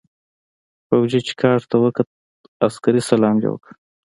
فوجي چې کارت ته وکوت عسکري سلام يې وکړ.